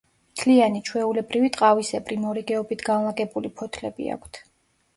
მთლიანი, ჩვეულებრივ ტყავისებრი, მორიგეობით განლაგებული ფოთლები აქვთ.